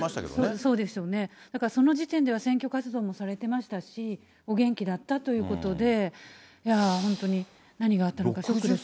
そうですよね、その時点では選挙活動もされてましたし、お元気だったということで、いや本当に何があったのか、ショックです